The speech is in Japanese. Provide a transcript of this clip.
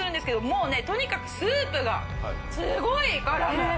もうねとにかくスープがすごい絡む。